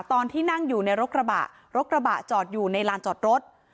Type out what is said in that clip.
ตอนที่นั่งอยู่ในรถกระบะรถกระบะจอดอยู่ในลานจอดรถ